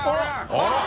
あら！